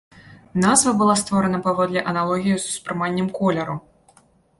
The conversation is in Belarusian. Назва была створана паводле аналогіі з успрыманнем колеру.